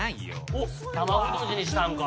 おっ卵とじにしたんか。